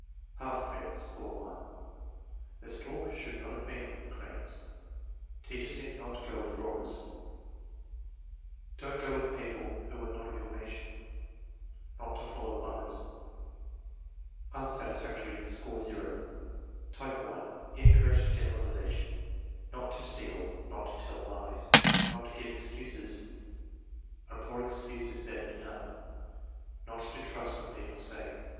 Half credit; score 1. "The stork should not have been with the cranes." "Teaches him not to go with robbers." "Don't go with people who are not of your nation." "Not to follow others." Unsatisfactory; score 0. Type (1), incorrect generalization: "Not to steal." "Not to tell lies." "Not to give excuses." "A poor excuse is better than none." "Not to trust what people say."